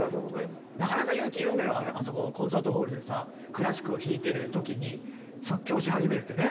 なかなか勇気いるんだよあそこのコンサートホールでさクラシックを弾いてる時に即興をし始めるってね。